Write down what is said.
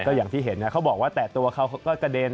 ก็อย่างที่เห็นเขาบอกว่าแต่ตัวเขาก็กระเด็น